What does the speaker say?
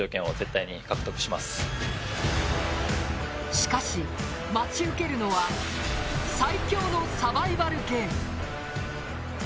しかし、待ち受けるのは最凶のサバイバルゲーム。